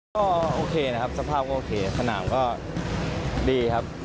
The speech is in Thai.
ก็โอเคนะครับสภาพก็โอเคสนามก็ดีครับ